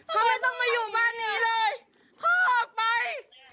พ่อไม่ต้องมาอยู่บ้านนี้เลย